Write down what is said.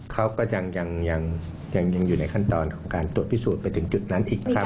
เขาก็ยังอยู่ในขั้นตอนของการตรวจพิสูจน์ไปถึงจุดนั้นอีกครั้ง